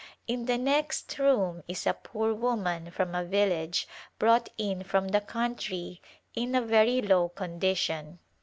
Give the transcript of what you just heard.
In the next room is a poor woman from a village brought in from the country in a very low condition.